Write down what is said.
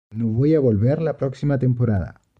No voy a volver la próxima temporada“.